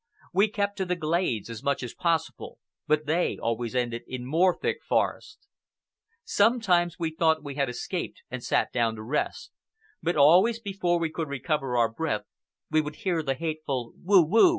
We kept to the glades as much as possible, but they always ended in more thick forest. Sometimes we thought we had escaped, and sat down to rest; but always, before we could recover our breath, we would hear the hateful "Whoo whoo!"